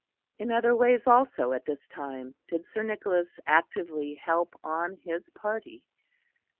In other ways also at this time did Sir Nicholas actively help on his party.